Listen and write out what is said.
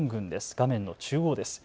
画面の中央です。